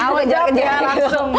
awal kejar kejar gitu